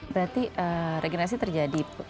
berarti regenerasi terjadi